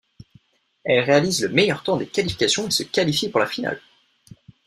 Elle réalise le meilleur temps des qualifications et se qualifie pour la finale.